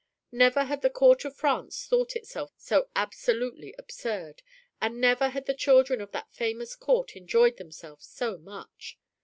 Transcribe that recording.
Never had the court of France thought itself so absolutely absurd, and never had the children of that famous court enjoyed themselves so much.